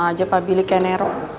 sama aja pak billy kayak nero